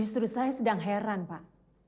justru saya sedang heran pak